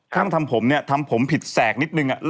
ห้ามทำผมเนี่ยทำผมผิดแสกนิดนึง